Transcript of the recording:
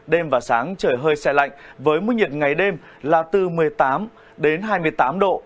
đêm và sáng trời hơi xe lạnh với mức nhiệt ngày đêm là từ một mươi tám đến hai mươi tám độ